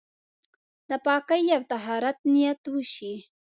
د پاکۍ او طهارت نيت وشي.